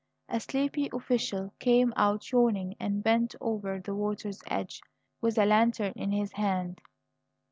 A sleepy official came out yawning and bent over the water's edge with a lantern in his hand.